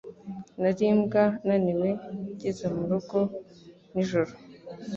Nari imbwa naniwe ngeze murugo nijoro.